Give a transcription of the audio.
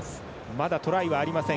まだトライはありません。